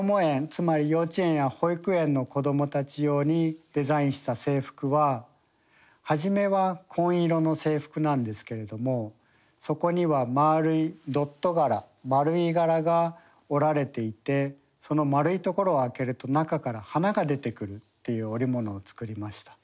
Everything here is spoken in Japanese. つまり幼稚園や保育園の子どもたち用にデザインした制服は初めは紺色の制服なんですけれどもそこにはまるいドット柄丸い柄が織られていてその丸いところを開けると中から花が出てくるという織物を作りました。